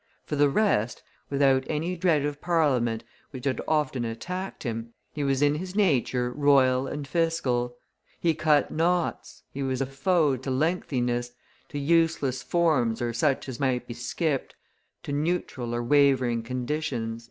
For the rest, without any dread of Parliament, which had often attacked him, he was in his nature royal and fiscal; he cut knots, he was a foe to lengthiness, to useless forms or such as might be skipped, to neutral or wavering conditions."